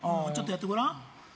ちょっとやってごらん？